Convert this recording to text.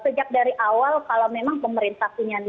sejak dari awal kalau memang pemerintah punya niat yang baik